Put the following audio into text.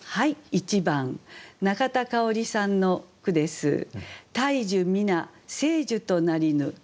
１番中田かおりさんの句です。